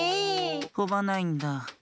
とばないんだ。